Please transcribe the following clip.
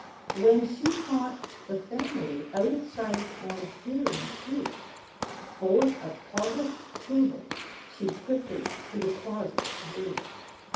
When she thought the family Out of sight and hearing too, Forth a polished table she Quickly to the closet drew.